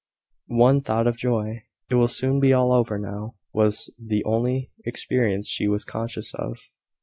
One thought of joy "It will soon be all over now" was the only experience she was conscious of.